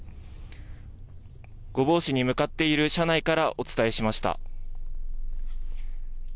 御坊市に向かっている車内からお伝えしました。